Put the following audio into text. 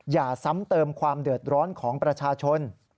อย่าซ้ำเติมความเดือดร้อนของประชาชน